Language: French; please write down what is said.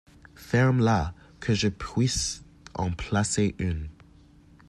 Ferme-la, que je puisse en placer une !